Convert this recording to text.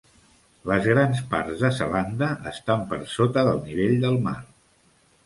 Les grans parts de Zelanda estan per sota del nivell del mar.